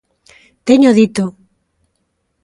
Teño dito.